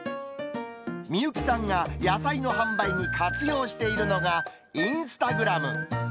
美幸さんが野菜の販売に活用しているのが、インスタグラム。